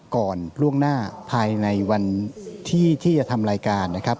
ก่อนล่วงหน้าภายในวันที่ที่จะทำรายการนะครับ